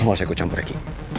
lo gak usah ikut campur eki